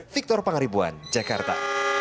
victor pangaribuan jakarta